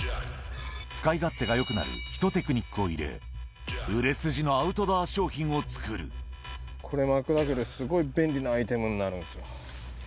使い勝手がよくなるひとテクニックを入れ、売れ筋のアウトドア商これ巻くだけで、すごい便利なアイテムになるんですよ。